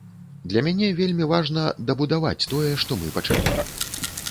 Для мяне вельмі важна дабудаваць тое, што мы пачалі.